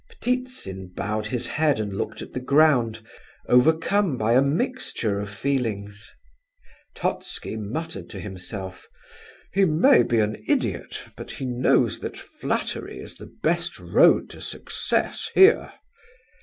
Ptitsin bowed his head and looked at the ground, overcome by a mixture of feelings. Totski muttered to himself: "He may be an idiot, but he knows that flattery is the best road to success here."